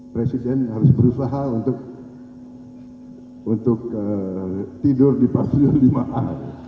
presiden harus berusaha untuk tidur di fase yang lima a